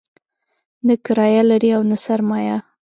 نه کرايه لري او نه سرمایه.